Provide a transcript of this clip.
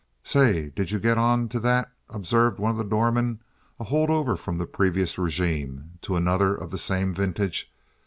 "Say, did you get on to that?" observed one of the doormen, a hold over from the previous regime, to another of the same vintage.